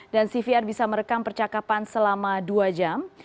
dan cvr bisa merekam percakapan selama dua jam